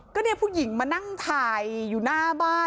ก็เนี่ยผู้หญิงมานั่งถ่ายอยู่หน้าบ้าน